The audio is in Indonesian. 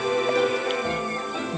dan mengamati burung dan lebah